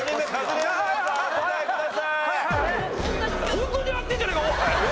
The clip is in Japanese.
ホントにやってんじゃねえかおい！